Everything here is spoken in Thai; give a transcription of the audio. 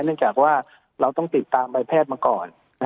เนื่องจากว่าเราต้องติดตามใบแพทย์มาก่อน